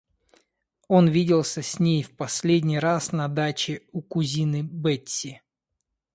Он виделся с ней в последний раз на даче у кузины Бетси.